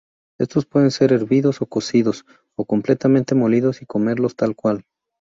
Estos pueden ser hervidos o cocidos, o completamente molidos y comerlos tal cual.